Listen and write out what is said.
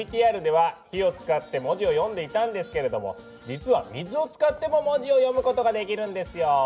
ＶＴＲでは火を使って文字を読んでいたんですけれども実は水を使っても文字を読むことができるんですよ。